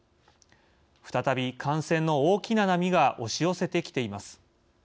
再び感染の大きな波が押し寄せてきています。